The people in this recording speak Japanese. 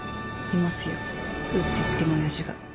いますようってつけのオヤジが。